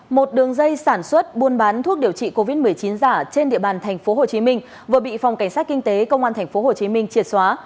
một đường dây sản xuất buôn bán thuốc điều trị covid một mươi chín giả trên địa bàn tp hcm vừa bị phòng cảnh sát kinh tế công an tp hcm triệt xóa